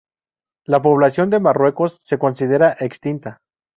La población de Marruecos se considera extinta.